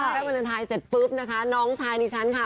วาเลนไทยเสร็จปุ๊บนะคะน้องชายดิฉันค่ะ